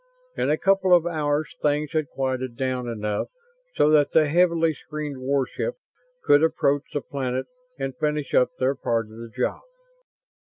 In a couple of hours things had quieted down enough so that the heavily screened warships could approach the planet and finish up their part of the job.